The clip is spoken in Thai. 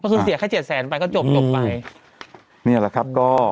คือเสียแค่๗แสนถึงจดเหล่าไป